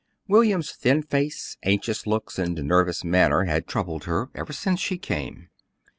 William's thin face, anxious looks, and nervous manner had troubled her ever since she came.